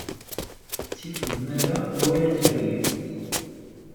Ttif nnmara wala taryalt.